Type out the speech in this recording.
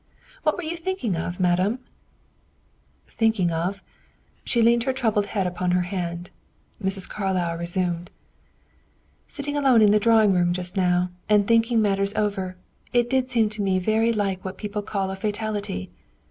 What were you thinking of, madame?" "Thinking of?" She leaned her troubled head upon her hand. Mrs. Carlyle resumed, "Sitting alone in the drawing room just now, and thinking matters over, it did seem to me very like what people call a fatality.